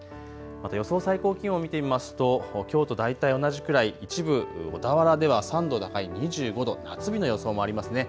また予想最高気温、見てみますときょうと大体同じくらい一部小田原では３度高い２５度夏日の予想もありますね。